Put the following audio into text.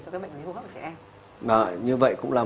cho các bệnh lý hô hấp của trẻ em